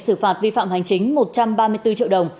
xử phạt vi phạm hành chính một trăm ba mươi bốn triệu đồng